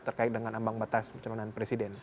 terkait dengan ambang batas pencalonan presiden